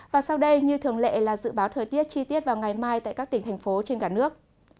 và sau đây như thường lệ là dự báo thời tiết chi tiết vào ngày mai tại các tỉnh thành phố trên cả nước